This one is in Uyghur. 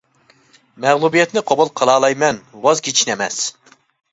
مەغلۇبىيەتنى قوبۇل قىلالايمەن، ۋاز كېچىشنى ئەمەس.